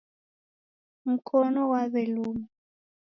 Mkono ghwaw'eluma.